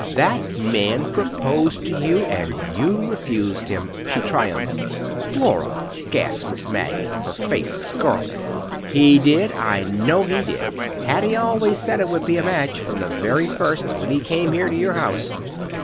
That man proposed to you, and you refused him!" she triumphed. "Flora!" gasped Miss Maggie, her face scarlet. "He did, I know he did! Hattie always said it would be a match—from the very first, when he came here to your house."